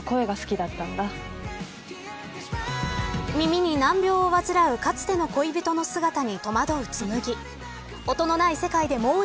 耳に難病を患うかつての恋人の姿に戸惑う紬。